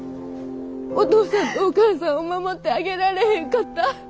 お義父さんとお義母さんを守ってあげられへんかった。